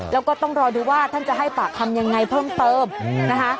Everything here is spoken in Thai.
แล้วก็ต้องรอดูว่าท่านจะให้ปากคำยังไงเพิ่มเติมนะคะ